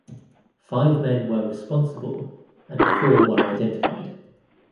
Five men were responsible and four were identified.